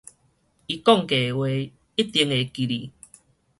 伊講過的話，一定會記得